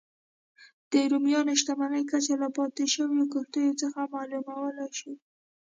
د رومیانو شتمنۍ کچه له پاتې شویو کښتیو څخه معلومولای شو